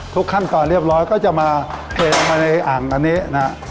ทุกขั้นตอนเรียบร้อยก็จะมาเผยออกมาในอ่างอันนี้